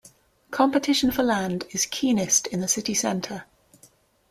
Competition for land is keenest in the city centre.